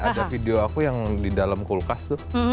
ada video aku yang di dalam kulkas tuh